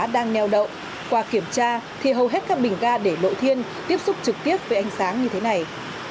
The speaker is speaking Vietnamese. đang neo đậu qua kiểm tra thì hầu hết các bình ga để lộ thiên tiếp xúc trực tiếp với ánh sáng như thế này